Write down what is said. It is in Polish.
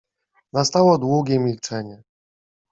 Nastało długie milczenie.